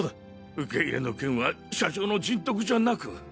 受け入れの件は社長の人徳じゃなく。